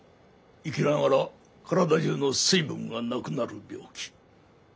生きながら体中の水分がなくなる病気。